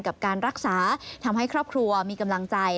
กับการรักษาทำให้ครอบครัวมีกำลังใจ